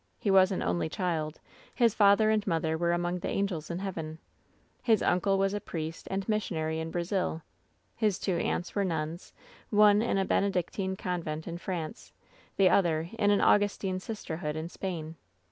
He was an only child ; his father and mother were among the angels in heaven. His uncle was a priest and missionary in Brazil. His two aunts were nuns — one in a Benedic tine convent in France, the other in an Augustine sister hood in Spain.